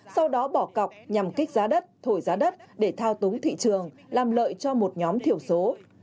sau đó bỏ cọc nhằm kích giá đất thổi giá đất để thao túng thị trường làm lợi cho một nhóm thiểu số